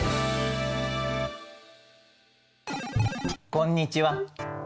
こんにちは。